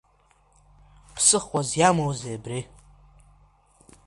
Ԥсыхуас иамоузеи абри?